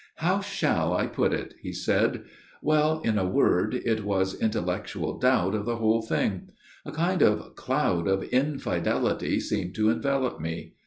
" How shall I put it ?" he said. " Well, in a word it was intellectual doubt of the whole thing. A kind of cloud of infidelity seemed to envelop me.